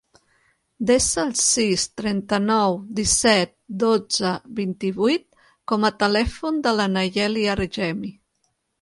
Desa el sis, trenta-nou, disset, dotze, vint-i-vuit com a telèfon de la Nayeli Argemi.